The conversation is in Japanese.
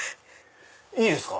いいですか？